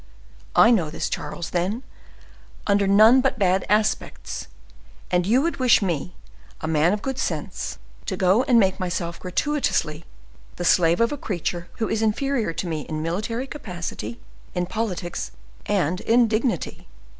I know this Charles, then, under none but bad aspects, and you would wish me, a man of good sense, to go and make myself gratuitously the slave of a creature who is inferior to me in military capacity, in politics, and in dignity!